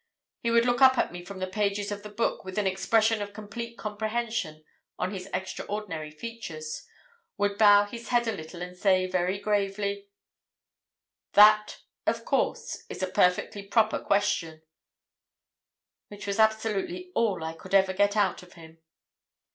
He would look up at me from the pages of the book with an expression of complete comprehension on his extraordinary features, would bow his head a little and say very gravely— "'That, of course, is a perfectly proper question,'—which was absolutely all I could ever get out of him.